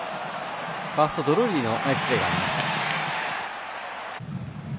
ファースト、ドルーリーのナイスプレーがありました。